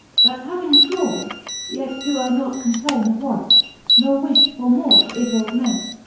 That having fmall, yet doe I not complaine Of want, ne wifh for more it to augment.